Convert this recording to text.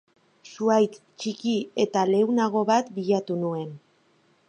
Zuhaitz ttiki eta leunago bat bilatu nuen.